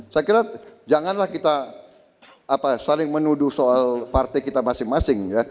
saya kira janganlah kita saling menuduh soal partai kita masing masing